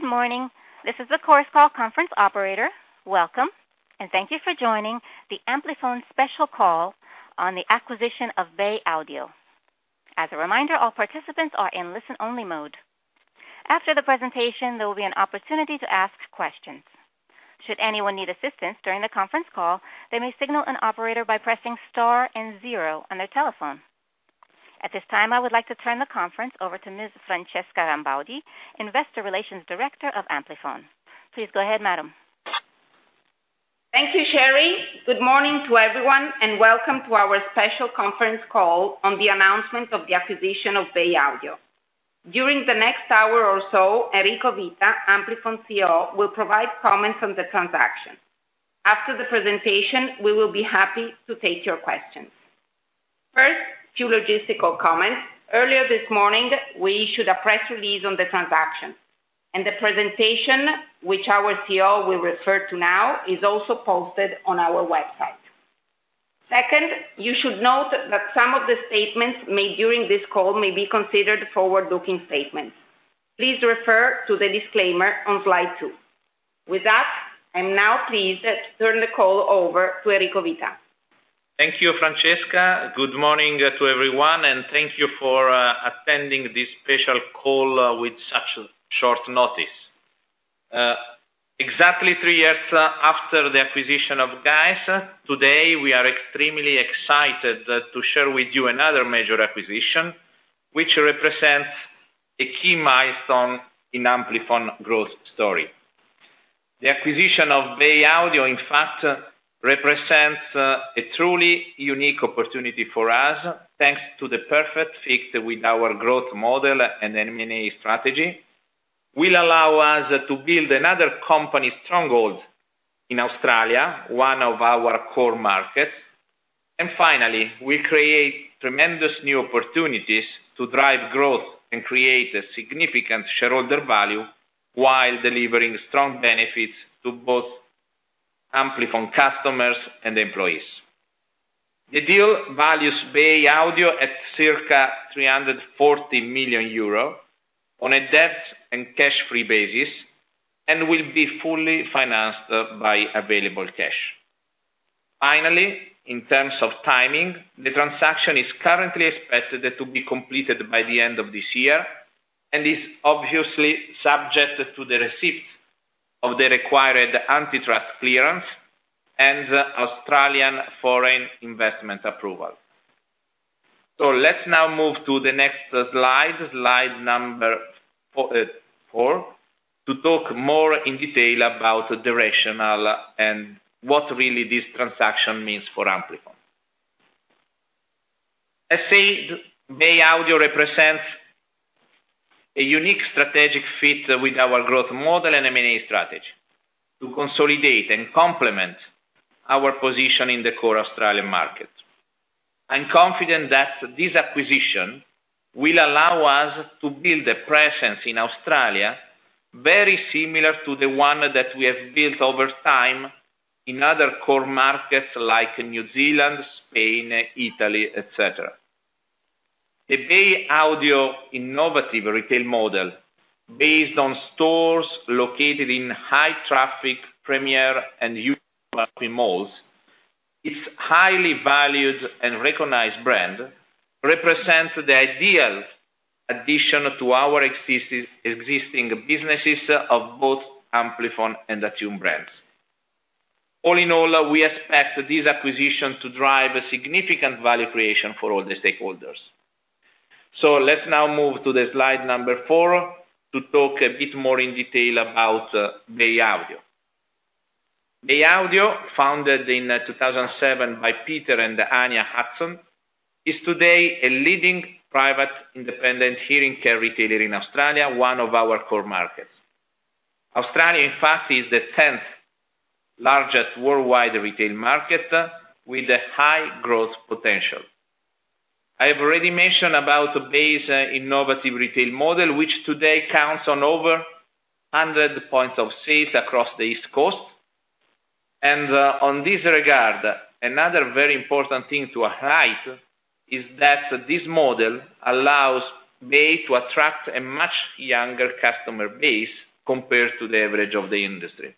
Good morning. This is the Chorus Call conference operator. Welcome, and thank you for joining the Amplifon special call on the acquisition of Bay Audio. As a reminder, all participants are in listen-only mode. After the presentation, there will be an opportunity to ask questions. Should anyone need assistance during the conference call, they may signal an operator by pressing star and zero on their telephone. At this time, I would like to turn the conference over to Ms. Francesca Rambaudi, Investor Relations Director of Amplifon. Please go ahead, madam. Thank you, Sherry. Good morning to everyone. Welcome to our special conference call on the announcement of the acquisition of Bay Audio. During the next hour or so, Enrico Vita, Amplifon CEO, will provide comments on the transaction. After the presentation, we will be happy to take your questions. First, two logistical comments. Earlier this morning, we issued a press release on the transaction. The presentation, which our CEO will refer to now, is also posted on our website. Second, you should note that some of the statements made during this call may be considered forward-looking statements. Please refer to the disclaimer on slide 2. With that, I now please turn the call over to Enrico Vita. Thank you, Francesca. Good morning to everyone. Thank you for attending this special call with such short notice. Exactly three years after the acquisition of GAES, today we are extremely excited to share with you another major acquisition, which represents a key milestone in Amplifon growth story. The acquisition of Bay Audio, in fact, represents a truly unique opportunity for us, thanks to the perfect fit with our growth model and M&A strategy, will allow us to build another company stronghold in Australia, one of our core markets. Finally, it will create tremendous new opportunities to drive growth and create a significant shareholder value while delivering strong benefits to both Amplifon customers and employees. The deal values Bay Audio at circa 340 million euro on a debt and cash-free basis and will be fully financed by available cash. In terms of timing, the transaction is currently expected to be completed by the end of this year and is obviously subject to the receipt of the required antitrust clearance and Australian Foreign Investment approval. Let's now move to the next slide number 4, to talk more in detail about the rationale and what really this transaction means for Amplifon. As said, Bay Audio represents a unique strategic fit with our growth model and M&A strategy to consolidate and complement our position in the core Australian market. I'm confident that this acquisition will allow us to build a presence in Australia very similar to the one that we have built over time in other core markets like New Zealand, Spain, Italy, etc. The Bay Audio innovative retail model, based on stores located in high traffic, premier and huge shopping malls, its highly valued and recognized brand represents the ideal addition to our existing businesses of both Amplifon and Attune brands. All in all, we expect this acquisition to drive significant value creation for all the stakeholders. Let's now move to the slide number 4 to talk a bit more in detail about Bay Audio. Bay Audio, founded in 2007 by Peter and Anya Hutson, is today a leading private independent hearing care retailer in Australia, one of our core markets. Australia, in fact, is the 10th largest worldwide retail market with a high growth potential. I've already mentioned about Bay's innovative retail model, which today counts on over 100 points of sales across the East Coast. On this regard, another very important thing to highlight is that this model allows Bay to attract a much younger customer base compared to the average of the industry.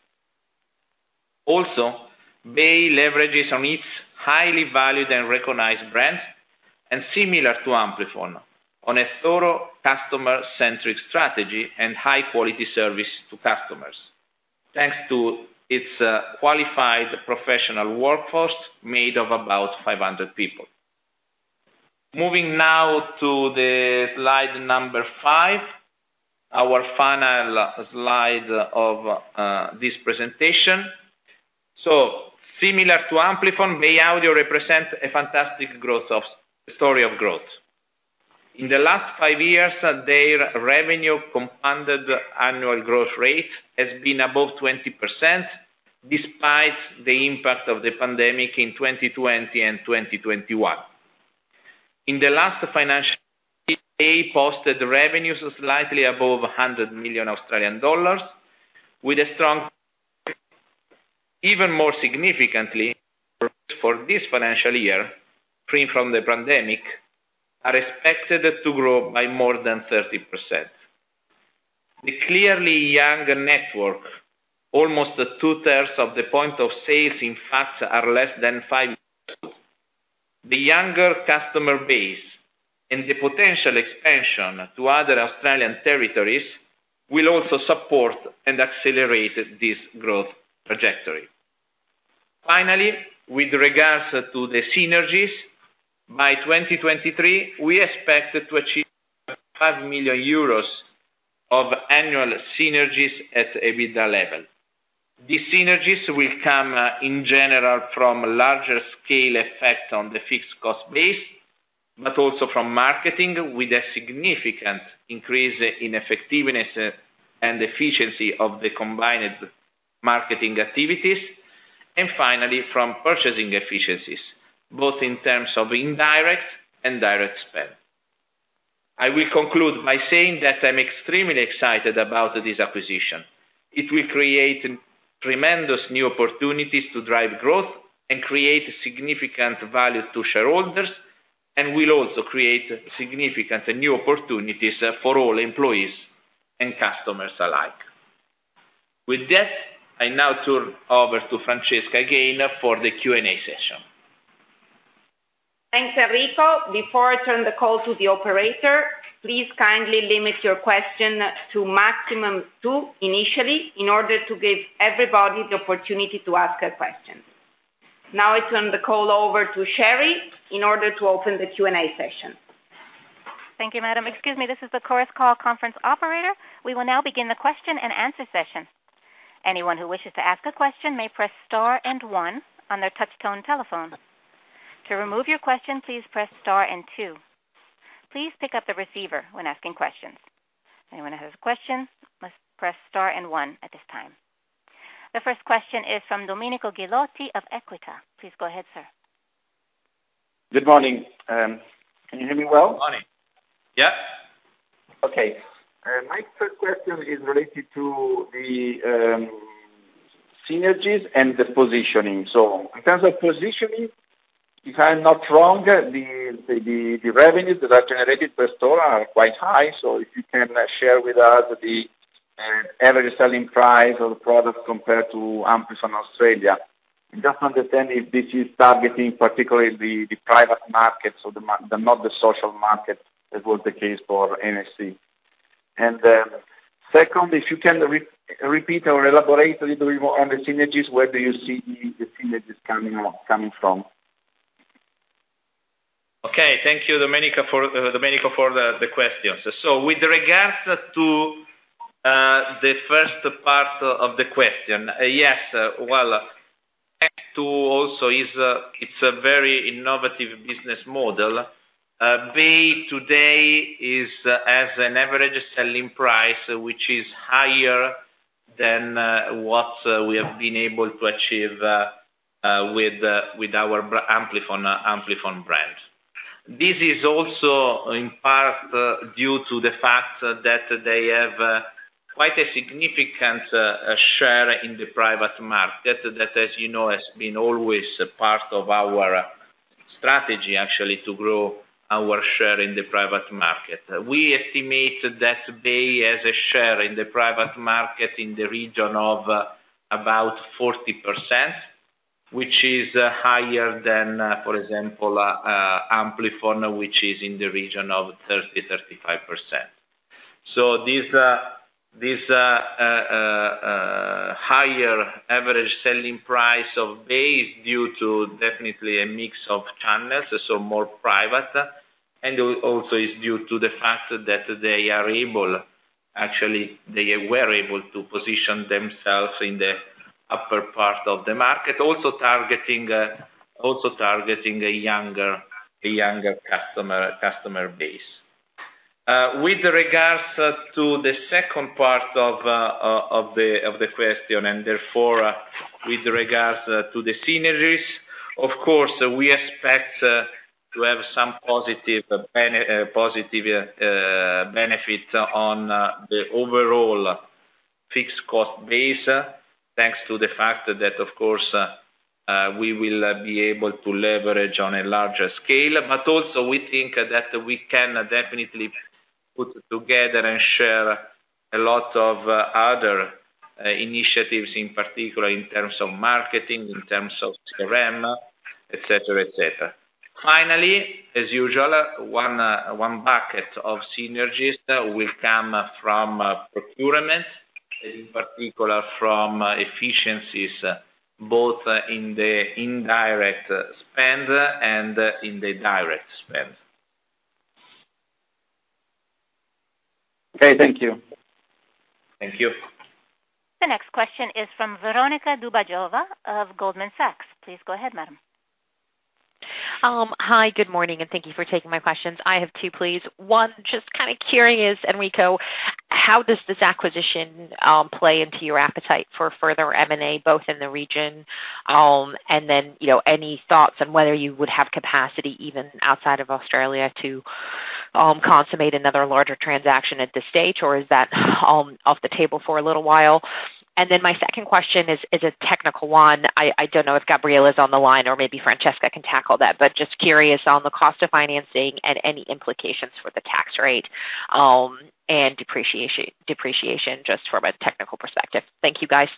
Also, Bay leverages on its highly valued and recognized brand, and similar to Amplifon, on a thorough customer-centric strategy and high-quality service to customers, thanks to its qualified professional workforce made of about 500 people. Moving now to the slide number 5, our final slide of this presentation. Similar to Amplifon, Bay Audio represents a fantastic story of growth. In the last five years, their revenue compounded annual growth rate has been above 20%, despite the impact of the pandemic in 2020 and 2021. In the last financial year, Bay posted revenues slightly above 100 million Australian dollars. Even more significantly, for this financial year, free from the pandemic, are expected to grow by more than 30%. The clearly younger network, almost two-thirds of the point of sales, in fact, are less than 5 years old. The younger customer base and the potential expansion to other Australian territories will also support and accelerate this growth trajectory. Finally, with regards to the synergies, by 2023, we expect to achieve 5 million euros of annual synergies at EBITDA level. These synergies will come, in general, from larger scale effect on the fixed cost base, but also from marketing with a significant increase in effectiveness and efficiency of the combined marketing activities, and finally, from purchasing efficiencies, both in terms of indirect and direct spend. I will conclude by saying that I'm extremely excited about this acquisition. It will create tremendous new opportunities to drive growth and create significant value to shareholders, and will also create significant new opportunities for all employees and customers alike. With that, I now turn over to Francesca again for the Q&A session. Thanks, Enrico. Before I turn the call to the operator, please kindly limit your question to maximum two initially, in order to give everybody the opportunity to ask a question. Now I turn the call over to Sherry in order to open the Q&A session. Thank you, madam. Excuse me, this is the Chorus Call conference operator. We will now begin the question and answer session. Anyone who wishes to ask a question may press star one on their touch-tone telephone. To remove your question, please press star two. Please pick up the receiver when asking questions. Anyone who has a question, must press star one at this time. The first question is from Domenico Ghilotti of Equita. Please go ahead, sir. Good morning. Can you hear me well? Morning. Yeah. Okay. My first question is related to the synergies and the positioning. In terms of positioning, if I'm not wrong, the revenues that are generated per store are quite high. If you can share with us the average selling price of the product compared to Amplifon Australia. Just to understand if this is targeting particularly the private market, so not the social market as was the case for NHC. Second, if you can repeat or elaborate a little bit more on the synergies, where do you see the synergies coming from? Okay, thank you, Domenico for the questions. With regards to the first part of the question, yes, well, Attune is a very innovative business model. They today has an average selling price which is higher than what we have been able to achieve with our Amplifon brand. This is also in part due to the fact that they have quite a significant share in the private market, that as you know, has been always a part of our strategy, actually, to grow our share in the private market. We estimate that they as a share in the private market in the region of about 40%, which is higher than, for example, Amplifon, which is in the region of 30%, 35%. This higher average selling price of Bay due to definitely a mix of channels, so more private, and also is due to the fact that they were able to position themselves in the upper part of the market, also targeting a younger customer base. With regards to the second part of the question, and therefore with regards to the synergies, of course, we expect to have some positive benefit on the overall fixed cost base, thanks to the fact that, of course, we will be able to leverage on a larger scale. Also we think that we can definitely put together and share a lot of other initiatives, in particular in terms of marketing, in terms of CRM, etc. Finally, as usual, one bucket of synergies will come from procurement, in particular from efficiencies both in the indirect spend and in the direct spend. Okay, thank you. Thank you. The next question is from Veronika Dubajova of Goldman Sachs. Please go ahead, madam. Hi, good morning, and thank you for taking my questions. I have two, please. One, just kind of curious, Enrico, how does this acquisition play into your appetite for further M&A, both in the region, any thoughts on whether you would have capacity even outside of Australia to consummate another larger transaction at this stage, or is that off the table for a little while? My second question is a technical one. I don't know if Gabriele is on the line or maybe Francesca can tackle that, but just curious on the cost of financing and any implications for the tax rate, and depreciation just from a technical perspective. Thank you, guys.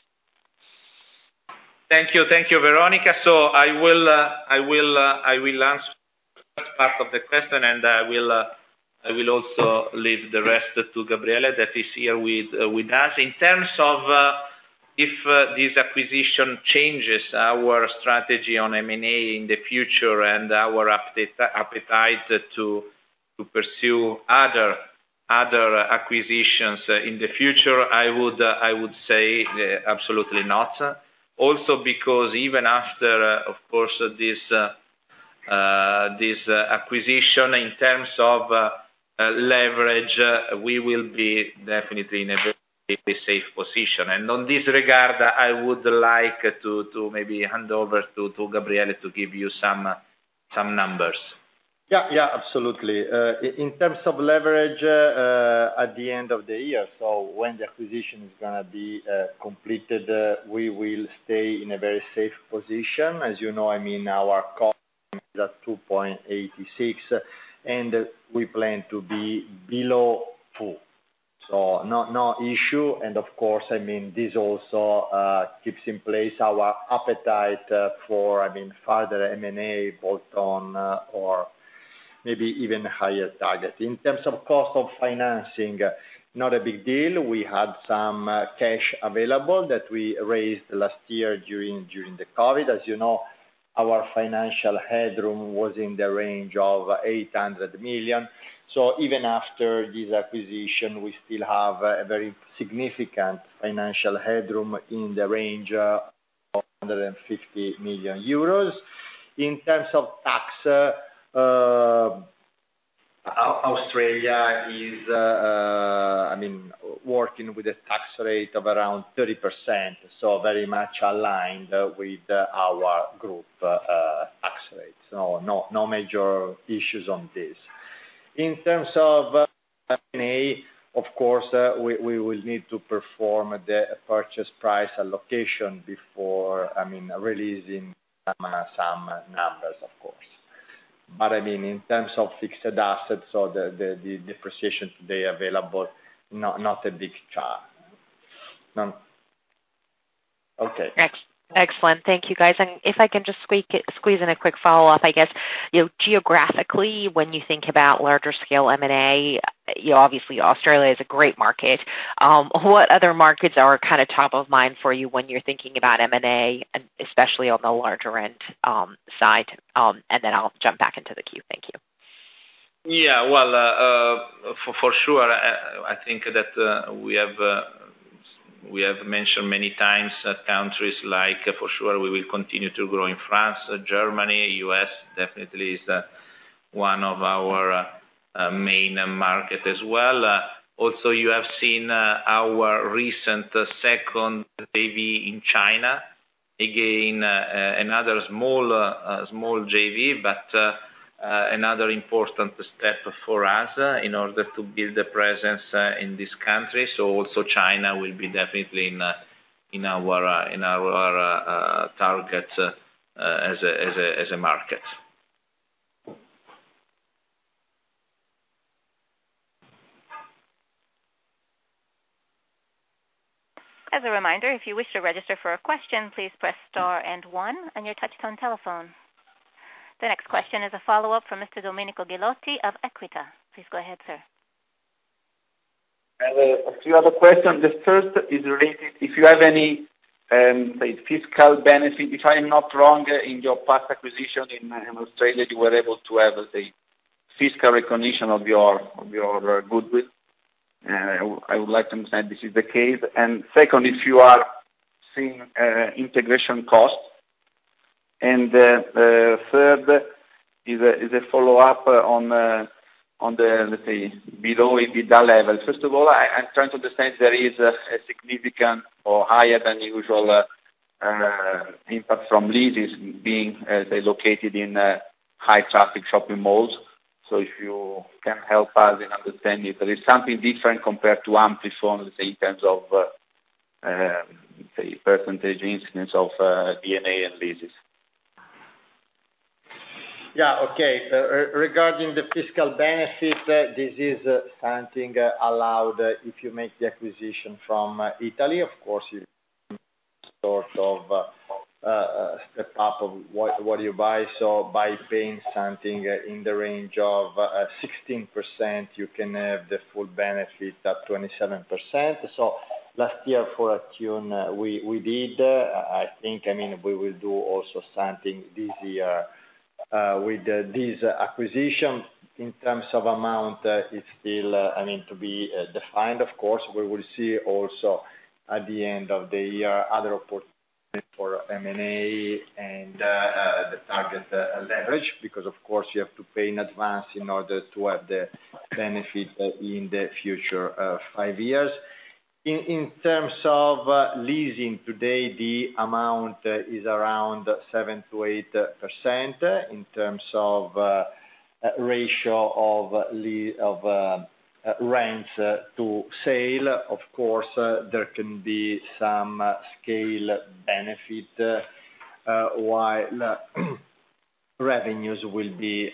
Thank you, Veronika. I will answer the first part of the question, and I will also leave the rest to Gabriele that is here with us. In terms of if this acquisition changes our strategy on M&A in the future and our appetite to pursue other acquisitions in the future, I would say absolutely not. Also because even after, of course, this acquisition in terms of leverage, we will be definitely in a very safe position. On this regard, I would like to maybe hand over to Gabriele to give you some numbers. Absolutely. In terms of leverage, at the end of the year, so when the acquisition is going to be completed, we will stay in a very safe position. As you know, our cost is at 2.86, and we plan to be below 4. No issue, and of course, this also keeps in place our appetite for further M&A bolt-on or maybe even higher target. In terms of cost of financing, not a big deal. We had some cash available that we raised last year during the COVID. As you know, our financial headroom was in the range of 800 million. Even after this acquisition, we still have a very significant financial headroom in the range of 450 million euros. In terms of tax, Australia is working with a tax rate of around 30%, very much aligned with our group tax rate. No major issues on this. In terms of M&A, of course, we will need to perform the Purchase Price Allocation before releasing some numbers, of course. In terms of fixed assets or the depreciation today available, not a big charge. Excellent. Thank you, guys. If I can just squeeze in a quick follow-up, I guess. Geographically, when you think about larger scale M&A, obviously Australia is a great market. What other markets are kind of top of mind for you when you're thinking about M&A, especially on the larger end side? I'll jump back into the queue. Thank you. Yeah. Well, for sure, I think that we have mentioned many times countries like, for sure we will continue to grow in France and Germany. U.S. definitely is one of our main market as well. You have seen our recent second JV in China, another small JV, but another important step for us in order to build a presence in this country. Also China will be definitely in our targets as a market. The next question is a follow-up from Mr. Domenico Ghilotti of Equita. Please go ahead, sir. A few other questions. The first is if you have any fiscal benefit. If I'm not wrong, in your past acquisition in Australia, you were able to have, say, fiscal recognition of your goodwill. I would like to understand if this is the case. Second, if you are seeing integration costs. The third is a follow-up on the, let's say, below EBITDA level. First of all, I'm trying to understand if there is a significant or higher than usual impact from leases being located in high-traffic shopping malls. If you can help us in understanding if there is something different compared to Amplifon, let's say, in terms of the percentage incidence of D&A and leases. Okay. Regarding the fiscal benefit, this is something allowed if you make the acquisition from Italy. Of course, it's sort of a step-up of what you buy. By paying something in the range of 16%, you can have the full benefit at 27%. Last year for Attune, we did. I think we will do also something this year with this acquisition. In terms of amount, it still needs to be defined, of course. We will see also at the end of the year other opportunities for M&A and the target leverage, because of course you have to pay in advance in order to have the benefit in the future five years. In terms of leasing today, the amount is around 7%-8% in terms of ratio of rents to sale. Of course, there can be some scale benefit while revenues will be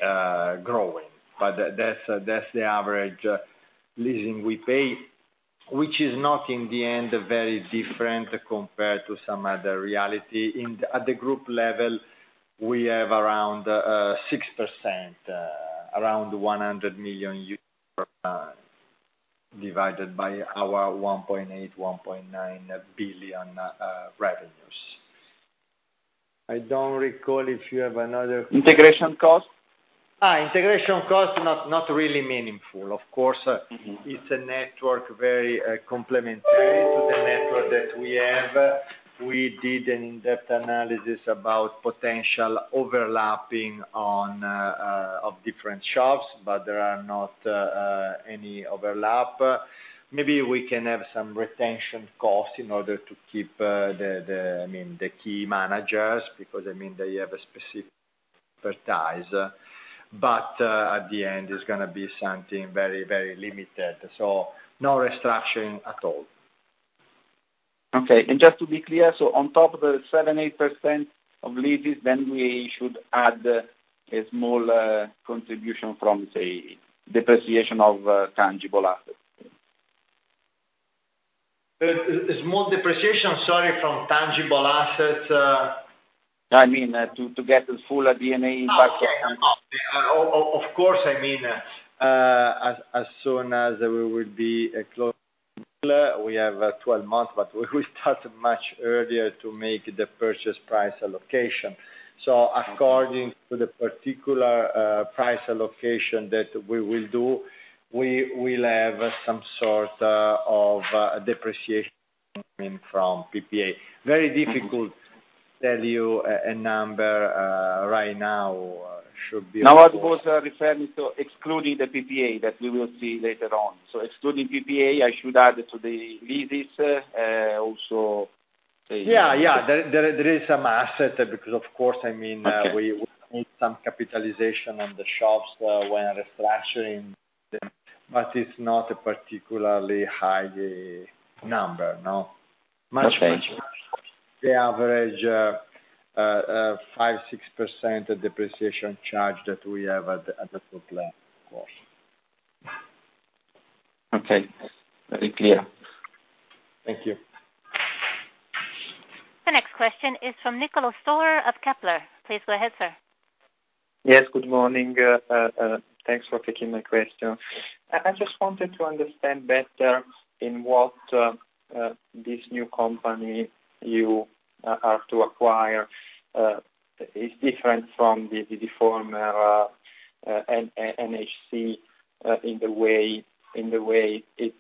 growing. That's the average leasing we pay, which is not in the end very different compared to some other reality. At the group level, we have around 6%, around 100 million euros divided by our 1.8 billion-1.9 billion revenues. Integration cost? Integration cost, not really meaningful. It's a network very complementary to the network that we have. We did an in-depth analysis about potential overlapping of different shops. There are not any overlap. Maybe we can have some retention costs in order to keep the key managers, because they have a specific expertise. At the end, it's going to be something very limited. No restructuring at all. Okay, just to be clear, on top of the 7%-8% of leases, then we should add a small contribution from, say, depreciation of tangible assets. Small depreciation, sorry, from tangible assets? I mean, to get the full D&A impact. Of course. As soon as we will be closing, we have 12 months, but we will start much earlier to make the purchase price allocation. According to the particular price allocation that we will do, we will have some sort of depreciation coming from PPA. Very difficult to tell you a number right now. Now I was referring to excluding the PPA that we will see later on. Excluding PPA, I should add to the leases, also. Yeah. There is some asset because, of course, we put some capitalization on the shops when refreshing, but it's not a particularly high number, no. Okay. Much closer to the average 5%-6% depreciation charge that we have at the group level, of course. Okay. That's very clear. Thank you. The next question is from Niccolò Storer of Kepler. Please go ahead, sir. Yes, good morning. Thanks for taking my question. I just wanted to understand better in what this new company you are to acquire is different from the former NHC in the way it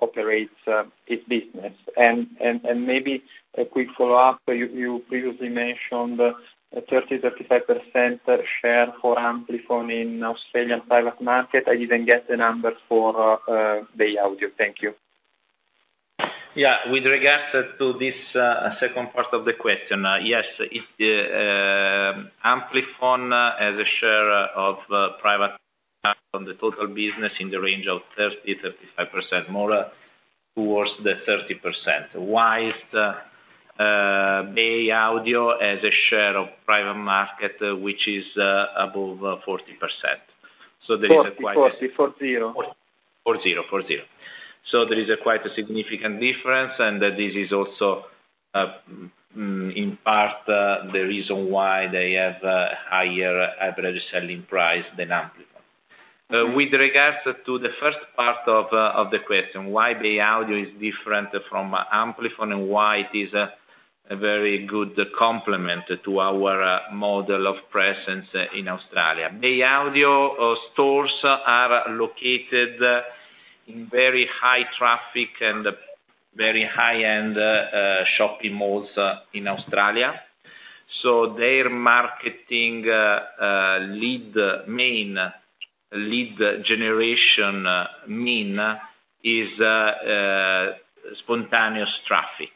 operates its business. Maybe a quick follow-up, you previously mentioned a 30%-35% share for Amplifon in Australian private market. I didn't get the numbers for Bay Audio. Thank you. Yeah. With regards to this second part of the question, yes, Amplifon has a share of private market on the total business in the range of 30%-35%, more towards the 30%, whilst Bay Audio has a share of private market which is above 40%. 40%. 40%. There is a quite a significant difference, and this is also, in part, the reason why they have a higher average selling price than Amplifon. With regards to the first part of the question, why Bay Audio is different from Amplifon and why it is a very good complement to our model of presence in Australia. Bay Audio stores are located in very high traffic and very high-end shopping malls in Australia. Their marketing lead generation mean is spontaneous traffic.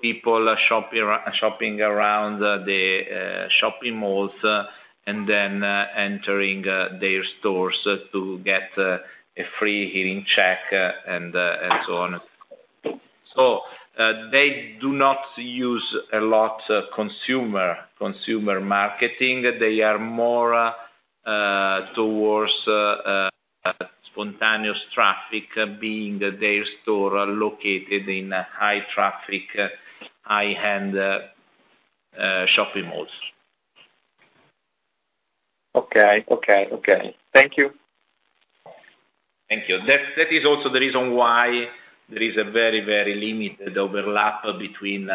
People are shopping around the shopping malls and then entering their stores to get a free hearing check and so on. They do not use a lot consumer marketing. They are more towards spontaneous traffic, being their stores located in high traffic, high-end shopping malls. Okay. Thank you. Thank you. That is also the reason why there is a very limited overlap between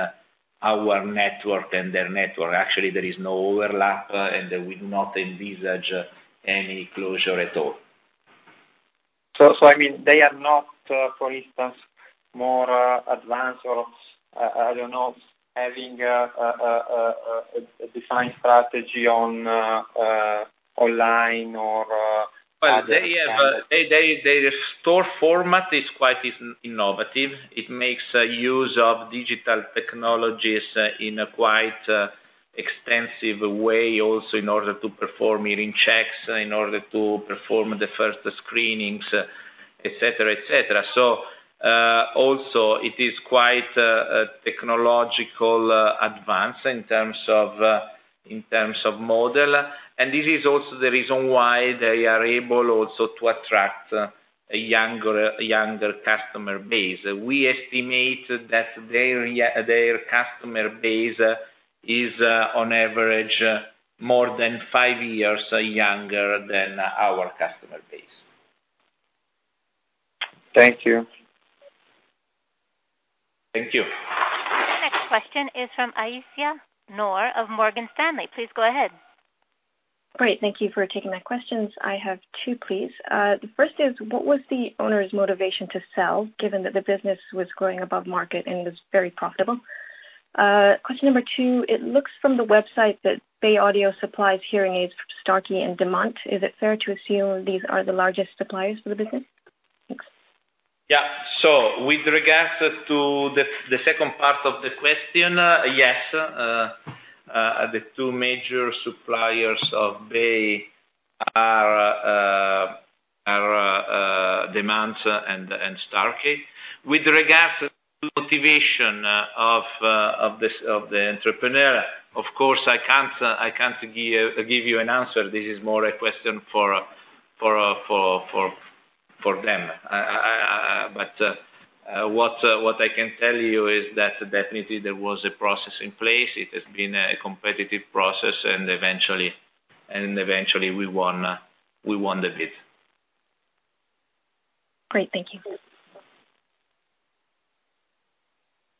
our network and their network. Actually, there is no overlap, and we do not envisage any closure at all. They are not, for instance, more advanced or, I don't know, having a defined strategy online. Well, their store format is quite innovative. It makes use of digital technologies in a quite extensive way, also in order to perform hearing checks, in order to perform the first screenings, et cetera. Also it is quite a technological advance in terms of model, and this is also the reason why they are able also to attract a younger customer base. We estimate that their customer base is, on average, more than 5 years younger than our customer base. Thank you. Thank you. The next question is from Aisyah Noor of Morgan Stanley. Please go ahead. Great. Thank you for taking my questions. I have two, please. The first is, what was the owner's motivation to sell, given that the business was growing above market and was very profitable? Question number two, it looks from the website that Bay Audio supplies hearing aids for Starkey and Demant. Is it fair to assume these are the largest suppliers for the business? Thanks. Yeah. With regards to the second part of the question, yes, the two major suppliers of Bay are Demant and Starkey. With regards to motivation of the entrepreneur, of course, I can't give you an answer. This is more a question for them. What I can tell you is that definitely there was a process in place. It has been a competitive process, and eventually we won the bid. Great. Thank you.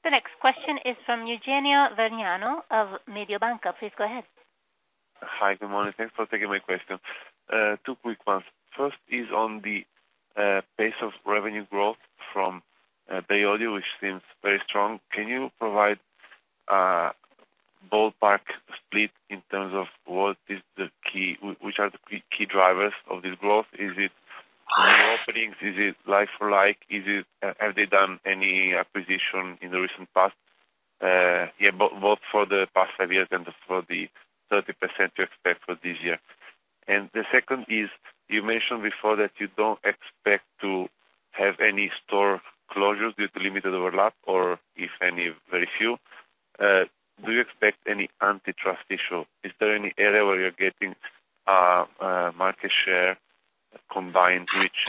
The next question is from Eugenio Vergnano of Mediobanca. Please go ahead. Hi, good morning. Thanks for taking my question. Two quick ones. First is on the pace of revenue growth from Bay Audio, which seems very strong. Can you provide a ballpark split in terms of which are the key drivers of this growth? Is it new openings? Is it like for like? Have they done any acquisition in the recent past? Both for the past 5 years and for the 30% you expect for this year. The second is, you mentioned before that you don't expect to have any store closures with limited overlap, or if any, very few. Do you expect any antitrust issue? Is there any area where you're getting market share combined, which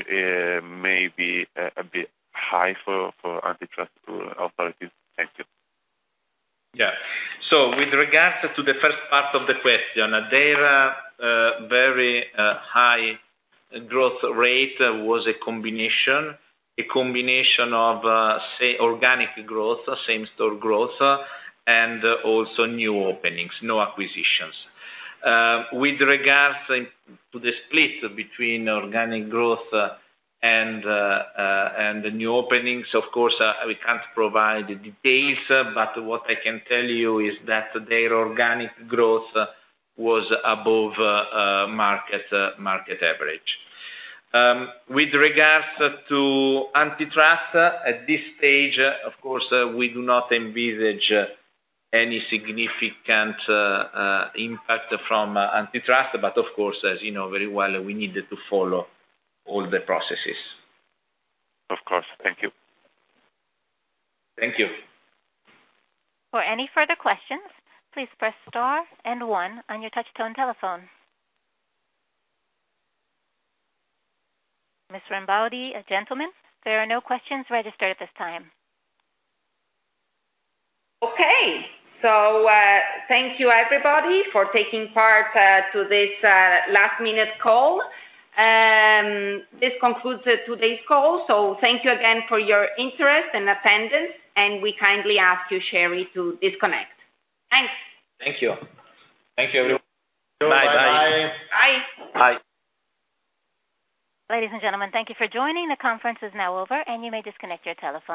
may be a bit high for antitrust operatives? Thank you. With regards to the first part of the question, their very high growth rate was a combination of organic growth, same-store growth, and also new openings, no acquisitions. With regards to the split between organic growth and the new openings, of course, we can't provide the details, but what I can tell you is that their organic growth was above market average. With regards to antitrust, at this stage, of course, we do not envisage any significant impact from antitrust, but of course, as you know very well, we need to follow all the processes. Of course. Thank you. Thank you. Ms. Rambaudi and gentlemen, there are no questions registered at this time. Okay. Thank you, everybody, for taking part to this last-minute call. This concludes today's call. Thank you again for your interest and attendance, and we kindly ask you, Sherry, to disconnect. Thanks. Thank you. Thank you. Bye. Bye. Ladies and gentlemen, thank you for joining. The conference is now over, and you may disconnect your telephones.